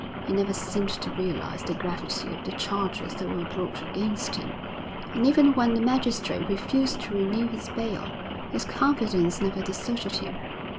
He never seemed to realise the gravity of the charges that were brought against him, and even when the magistrate refused to renew his bail, his confidence never deserted him.